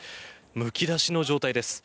むき出しの状態です。